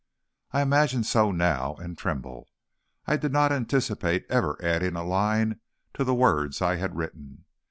I imagine so now, and tremble. I did not anticipate ever adding a line to the words I had written.